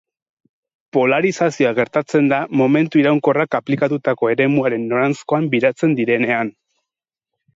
Polarizazioa gertatzen da momentu iraunkorrak aplikatutako eremuaren noranzkoan biratzen direnean.